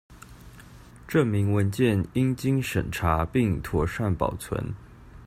證明文件應經審查並妥善保存